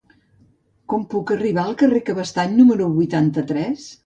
Com puc arribar al carrer de Cabestany número vuitanta-tres?